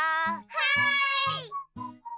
はい！